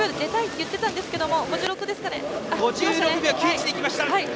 ５６秒９１できました。